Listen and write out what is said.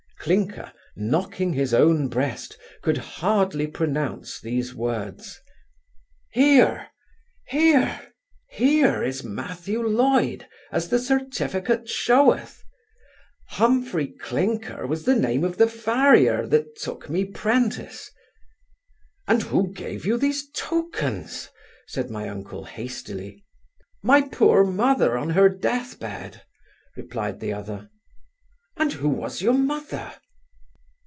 Clinker, knocking his own breast, could hardly pronounce these words 'Here here here is Matthew Loyd, as the certificate sheweth Humphry Clinker was the name of the farrier that took me 'prentice' 'And who gave you these tokens?' said my uncle hastily 'My poor mother on her death bed' replied the other 'And who was your mother?